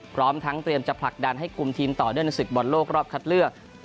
พร้อมทั้งเตรียมจะผลักดันให้กลุ่มทีมต่อเนื่องในศึกบอลโลกรอบคัดเลือก